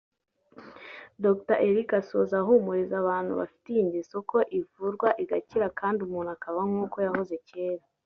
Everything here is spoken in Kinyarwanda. Dr Eric asoza ahumuriza abantu bafite iyi ngeso ko ivurwa igakira kandi umuntu akaba nk’uko yahoze kera